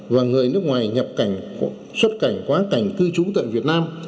và người nước ngoài nhập cảnh xuất cảnh quá cảnh cư trú tại việt nam